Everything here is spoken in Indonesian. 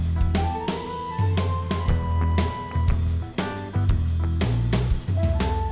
kau bisa ikut dia